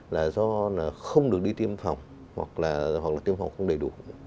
là do không được đi tiêm phòng hoặc là tiêm phòng không đầy đủ